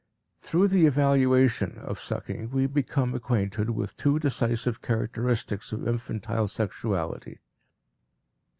Through the evaluation of sucking we become acquainted with two decisive characteristics of infantile sexuality.